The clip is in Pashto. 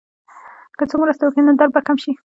که څوک مرسته وکړي، نو درد به کم شي.